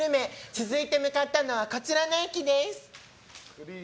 続いて向かったのはこちらの駅です。